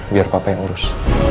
biar papa yang urus